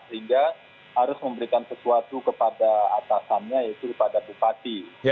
sehingga harus memberikan sesuatu kepada atasannya yaitu kepada bupati